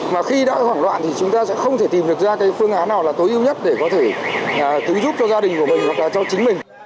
mà khi đã hoảng loạn thì chúng ta sẽ không thể tìm được ra cái phương án nào là tối ưu nhất để có thể giúp cho gia đình của mình hoặc là cho chính mình